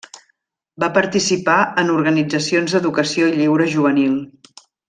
Va participar en organitzacions d'educació i lleure juvenil.